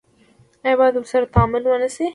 آیا باید ورسره تعامل ونشي؟